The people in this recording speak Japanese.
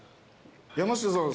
山下さん。